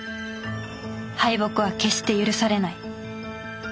敗北は決して許されない。